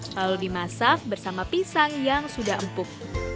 lalu dimasak bersama pisang yang sudah empuk